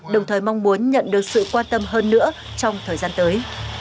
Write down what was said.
đồng thời mong muốn nhận được sự quan tâm hơn nữa trong thời gian tới